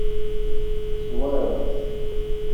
Zwareɣ-t.